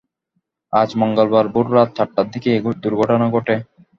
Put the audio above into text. আজ মঙ্গলবার ভোররাত চারটার দিকে এ দুর্ঘটনা ঘটে।